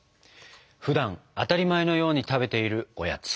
ふだん当たり前のように食べているおやつ。